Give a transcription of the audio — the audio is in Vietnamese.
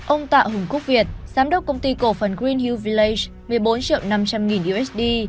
ông tạ hùng quốc việt giám đốc công ty cổ phần green huviace một mươi bốn triệu năm trăm linh nghìn usd